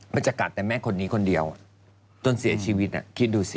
จะกัดแต่แม่คนนี้คนเดียวจนเสียชีวิตคิดดูสิ